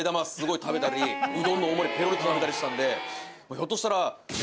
ひょっとしたら。